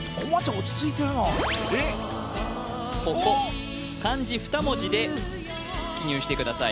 おっ漢字２文字で記入してください